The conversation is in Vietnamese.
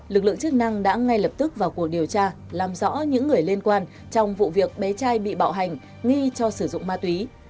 lực lượng chức năng đã ngay lập tức vào cuộc điều tra làm rõ những người liên quan trong vụ việc bé trai bị bạo hành nghi cho sử dụng ma túy